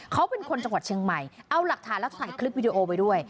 เขาเป็นคนจังหวัดเชียงใหม่เอาหลักฐานแล้วถ่ายคลิปวิดีโอไว้ด้วย